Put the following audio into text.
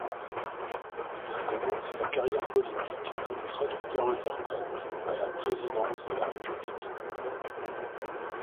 Il commence sa carrière politique comme traducteur-interprète à la présidence de la république.